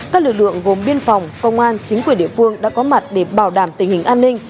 các lực lượng gồm biên phòng công an chính quyền địa phương đã có mặt để bảo đảm tình hình an ninh